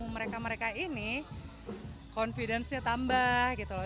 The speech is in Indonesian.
mereka mereka ini confidence nya tambah gitu loh